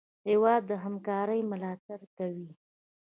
هېواد د همکارۍ ملاتړ کوي.